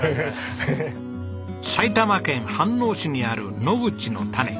埼玉県飯能市にある野口のタネ。